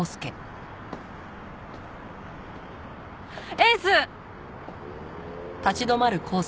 エース！